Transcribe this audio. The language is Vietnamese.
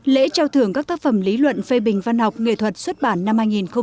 lễ trao tặng giải thương các tác phẩm lý luận phê bình văn học nghệ thuật xuất bản năm hai nghìn một mươi tám